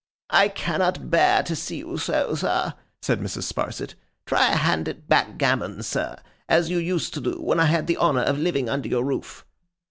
'I cannot bear to see you so, sir,' said Mrs. Sparsit. 'Try a hand at backgammon, sir, as you used to do when I had the honour of living under your roof.